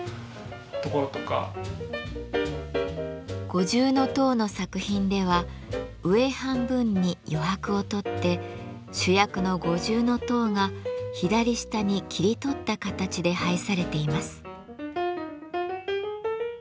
五重塔の作品では上半分に余白を取って主役の五重塔が左下に切り取った形で配されています。